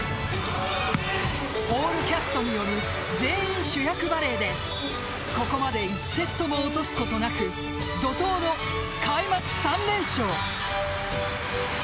ホールキャストによる全員主役バレーでここまで１セットも落とすことなく怒涛の開幕３連勝。